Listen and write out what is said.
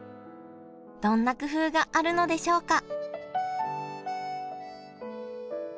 どんな工夫があるのでしょうか？